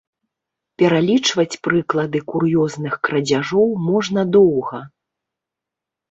Пералічваць прыклады кур'ёзных крадзяжоў можна доўга.